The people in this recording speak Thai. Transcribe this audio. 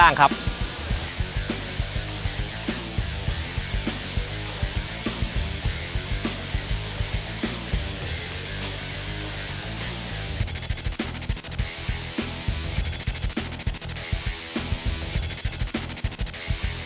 แกร่งจริง